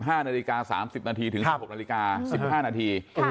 ตื่นเต้ม์ไหมที่